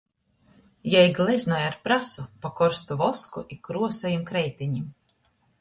Jei gleznoj ar prasu pa korstu vosku i kruosojim kreitenim.